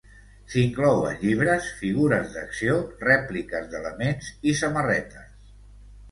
S'hi inclouen llibres, figures d'acció, rèpliques d'elements i samarretes.